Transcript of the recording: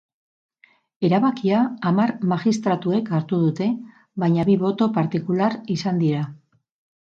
Erabakia hamar magistratuek hartu dute, baina bi boto partikular izan dira.